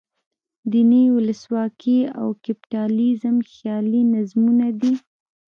دین، ولسواکي او کپیټالیزم خیالي نظمونه دي.